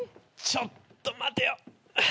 ちょっと待てよ。